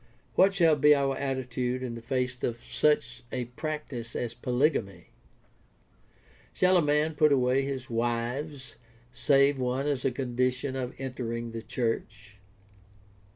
What shall be our attitude in the face of such a practice as polygamy ? Shall a man put away all his wives save one as a condition of entering the church?